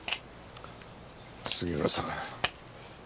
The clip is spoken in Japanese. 杉浦さん